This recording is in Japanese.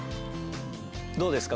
どうですか